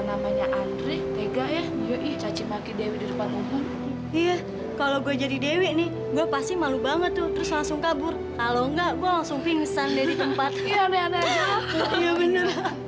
sampai jumpa di video selanjutnya